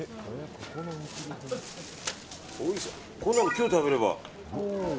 今日食べれば。